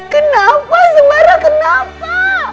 kenapa sembara kenapa